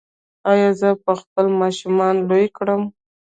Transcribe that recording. ایا زه به خپل ماشومان لوی کړم؟